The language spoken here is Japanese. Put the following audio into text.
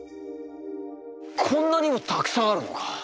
こんなにもたくさんあるのか！